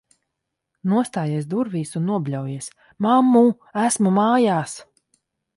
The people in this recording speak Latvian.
Nostājies durvīs un nobļaujies: "Mammu, esmu mājās!"